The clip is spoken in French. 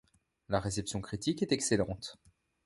La réception critique est excellente.